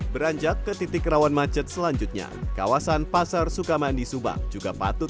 beranjak ke titik rawan macet selanjutnya kawasan pasar sukamandi subang juga patut